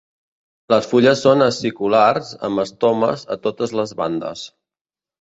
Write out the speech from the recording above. Les fulles són aciculars amb estomes a totes les bandes.